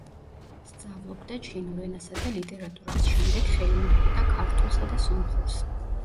სწავლობდა ჩინურ ენასა და ლიტერატურას, შემდეგ ხელი მოჰკიდა ქართულსა და სომხურს.